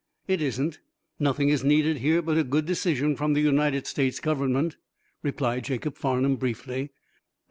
"It isn't. Nothing is needed here but a good decision from the United States Government," replied Jacob Farnum, briefly.